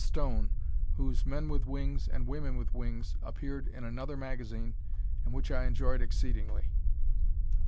Stone whose "Men with Wings" and "Women with Wings" appeared in another magazine and which I enjoyed exceedingly.